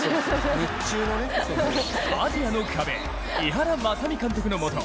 アジアの壁・井原正巳監督のもと